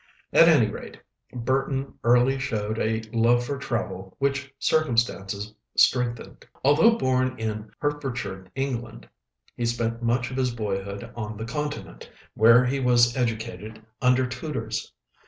At any rate, Burton early showed a love for travel which circumstances strengthened. Although born in Hertfordshire, England, he spent much of his boyhood on the Continent, where he was educated under tutors.